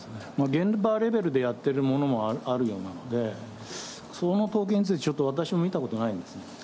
現場レベルでやってるものもあるようなんで、その統計について、ちょっと私も見たことないですね。